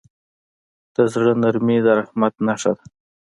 د زړه نرمي د رحمت نښه ده.